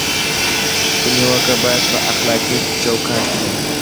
خو نیوکه باید په اخلاقي چوکاټ کې وي.